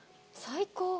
最高。